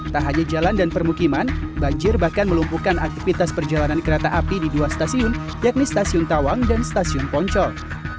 tak hanya jalan dan permukiman banjir bahkan melumpuhkan aktivitas perjalanan kereta api di dua stasiun yakni stasiun tawang dan stasiun poncol